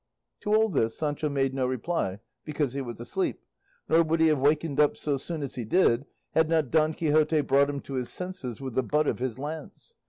To all this Sancho made no reply because he was asleep, nor would he have wakened up so soon as he did had not Don Quixote brought him to his senses with the butt of his lance.